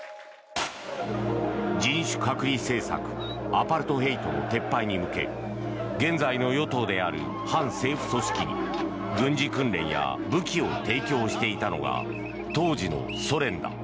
人種隔離政策アパルトヘイトの撤廃に向け現在の与党である反政府組織に軍事訓練や武器を提供していたのが当時のソ連だ。